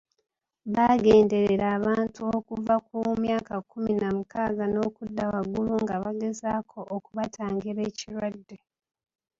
Bagenderera abantu okuva ku myaka kkumi na mukaaga n’okudda waggulu nga bagezaako okubatangira ekirwadde.